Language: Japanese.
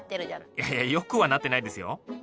いやいやよくはなってないですよ。